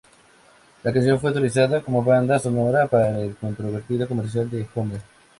La canción fue utilizada como banda sonora para un controvertido comercial de Hummer.